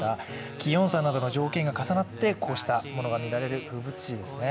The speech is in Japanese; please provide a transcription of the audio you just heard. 気温差などの条件が重なってこうしたものが見られる、風物詩ですね。